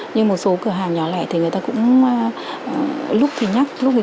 nhưng một số cửa hàng nhỏ lẻ thì người ta cũng lúc thì nhắc lúc thì không